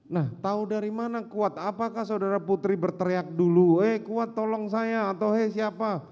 nah tahu dari mana kuat apakah saudara putri berteriak dulu eh kuat tolong saya atau hei siapa